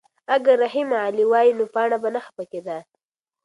اگر رحیم غلی وای نو پاڼه به نه خفه کېده.